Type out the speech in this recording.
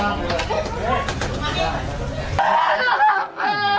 ไม่ค่อยราบลื้อเลย